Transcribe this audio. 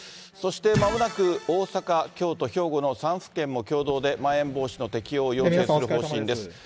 そしてまもなく、大阪、京都、兵庫の３府県も共同でまん延防止の適用を要請する方針です。